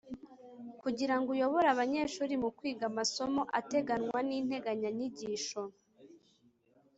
kugira ngo uyobore abanyeshuri mu kwiga amasomo ateganywa n’integanyanyigisho.